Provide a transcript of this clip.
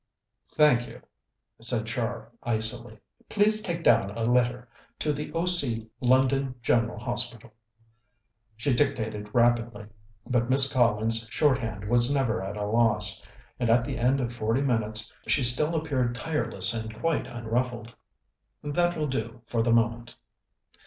"Thank you," said Char icily. "Please take down a letter to the O.C. London General Hospital." She dictated rapidly, but Miss Collins's shorthand was never at a loss, and at the end of forty minutes she still appeared tireless and quite unruffled. "That will do, for the moment."